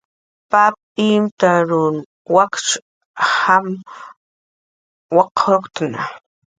Pap imtaruw wakch jam waqurktna